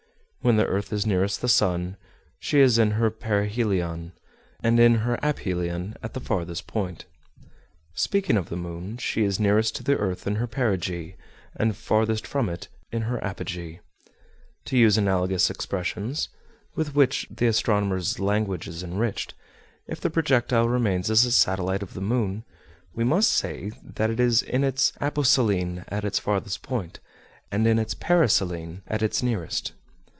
When the earth is nearest the sun she is in her perihelion; and in her aphelion at the farthest point. Speaking of the moon, she is nearest to the earth in her perigee, and farthest from it in her apogee. To use analogous expressions, with which the astronomers' language is enriched, if the projectile remains as a satellite of the moon, we must say that it is in its "aposelene" at its farthest point, and in its "periselene" at its nearest.